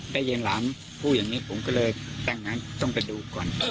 ได้ยินหลานพูดอย่างนี้ผมก็เลยตั้งงั้นต้องไปดูก่อน